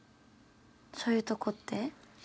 そういうとこって？